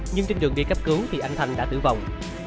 nhưng trên đường đi cấp cứu thì anh thành đã tử vong